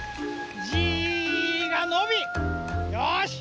「じ」がのびよし！